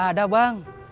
kagak ada bang